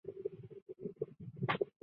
歌曲发行后获得了主流乐评的好评。